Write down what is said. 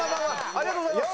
ありがとうございます。